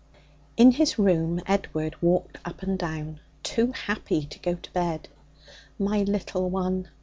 In his room Edward walked up and down, too happy to go to bed. 'My little one!